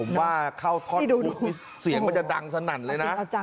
ผมว่าเข้าท่อนปุ๊บนี่เสียงมันจะดังสนั่นเลยนะ